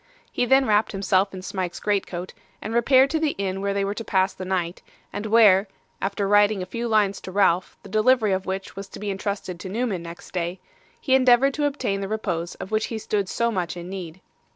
He then wrapped himself in Smike's greatcoat, and repaired to the inn where they were to pass the night, and where (after writing a few lines to Ralph, the delivery of which was to be intrusted to Newman next day), he endeavoured to obtain the repose of which he stood so much in need.